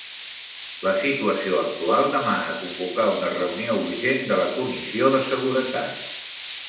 La situació actual demana convocar una reunió urgent de la comissió de seguretat.